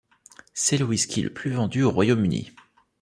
C'est le whisky le plus vendu au Royaume-Uni.